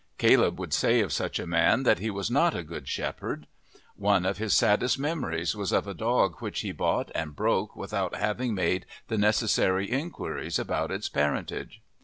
Caleb would say of such a man that he was not a "good shepherd." One of his saddest memories was of a dog which he bought and broke without having made the necessary inquiries about its parentage.